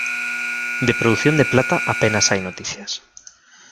De producción de plata apenas hay noticias.